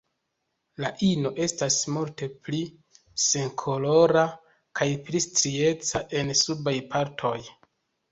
La ino estas multe pli senkolora kaj pli strieca en subaj partoj.